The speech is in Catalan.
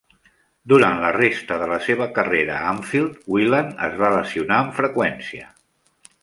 Durant la resta de la seva carrera a Anfield, Whelan es va lesionar amb freqüència.